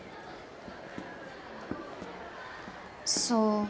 そう。